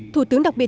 thủ tướng đảng pháp